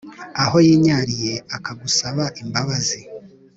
Aho yinyariye akagusaba imbabazi